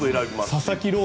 佐々木朗